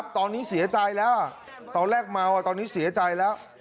ตอนนี้เสียใจแล้วตอนแรกเมาตอนนี้เสียใจแล้ว